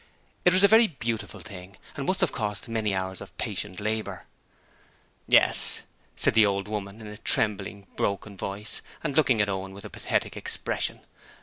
It was a very beautiful thing and must have cost many hours of patient labour. 'Yes,' said the old woman, in a trembling, broken voice, and looking at Owen with a pathetic expression.